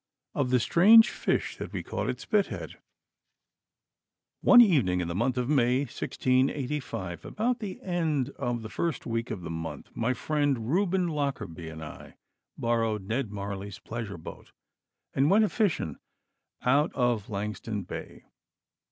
Of the Strange Fish that we Caught at Spithead One evening in the month of May 1685, about the end of the first week of the month, my friend Reuben Lockarby and I borrowed Ned Marley's pleasure boat, and went a fishing out of Langston Bay.